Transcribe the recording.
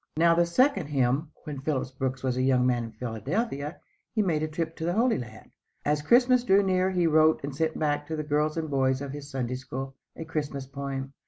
Now the second "hymn." When Phillips Brooks was a young man in Philadelphia he made a trip to the Holy Land. As Christmas drew near he wrote and sent back to the girls and boys of his Sunday School, a Christmas poem.